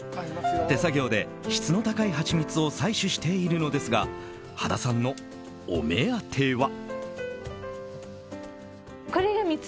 手作業で質の高いハチミツを採取しているのですが羽田さんのお目当ては。